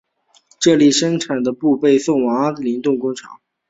这里生产的布被送往阿灵顿工厂。